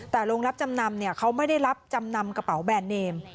แต่โรงรับจำนำเขาไม่ได้รับจำนำกระเป๋าแบรนดเนม